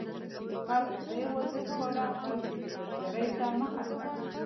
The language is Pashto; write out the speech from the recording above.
خلکو نه یوازې ښکار، بلکې د بزګرۍ ته مخه کړه.